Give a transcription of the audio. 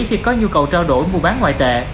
khi có nhu cầu trao đổi mua bán ngoại tệ